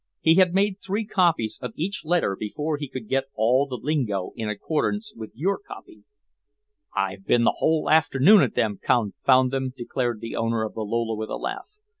"He had made three copies of each letter before he could get all the lingo in accordance with your copy." "I've been the whole afternoon at them confound them!" declared the owner of the Lola with a laugh.